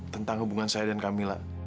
tentang hubungan saya dan kak mila